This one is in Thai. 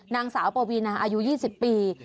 นางสาวปวีนาอายุ๒๐ปี